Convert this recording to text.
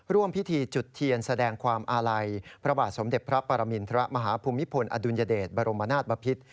ร่วมพิธีจุดเทียนแสดงความอาลัยพระบาทสมเด็จพระปรมินทรมาฮภูมิพลอดุลยเดชบรมนาศบพิษ